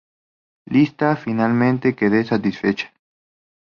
Lisa, finalmente, queda satisfecha.